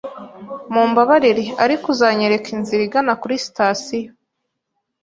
Mumbabarire, ariko uzanyereka inzira igana kuri sitasiyo?